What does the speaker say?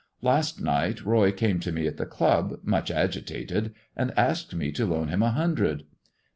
Last night Roy came to me at the club, much agitated, and asked me to loan him a hundred.